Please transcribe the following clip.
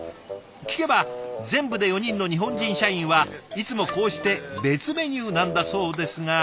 聞けば全部で４人の日本人社員はいつもこうして別メニューなんだそうですが。